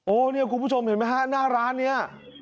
โอ้โหเนี่ยคุณผู้ชมเห็นไหมฮะหน้าร้านนี้